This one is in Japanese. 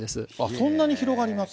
そんなに広がりますか。